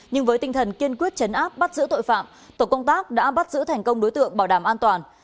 nhưng với tinh thần kiên quyết chấn áp bắt giữ tội phạm tổ công tác đã bắt giữ thành công đối tượng bảo đảm an toàn